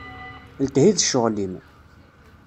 Letthi d ccɣel-im.